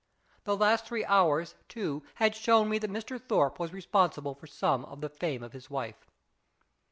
The last three hours, too, had shown me that Mr. Thorpe was responsible for some of the fame of his wife.